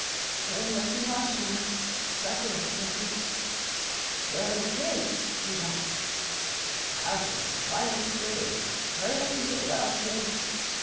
"'Hurry up and wash, now. Supper'll be ready.' "'Where are the kids?' he'd ask. 'The house is as quiet as the grave. Hurry up and get well, kid.